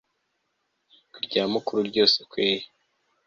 ngo iryamukuru ryose kweri